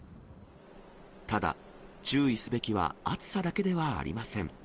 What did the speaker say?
ただ、注意すべきは暑さだけではありません。